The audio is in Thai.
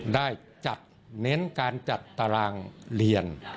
ได้จัดเน้นการจัดตารางเรียน